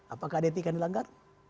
apakah ada etika dilanggar